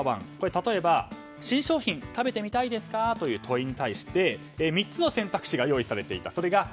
例えば、新商品食べてみたいですかという問いに対して３つの選択肢が用意されています。